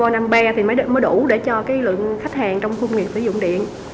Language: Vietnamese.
điều này mới đủ để cho lượng khách hàng trong khu công nghiệp sử dụng điện